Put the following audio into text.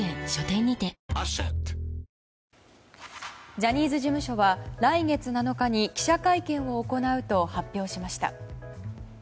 ジャニーズ事務所は来月７日に記者会見を行うと発表しました。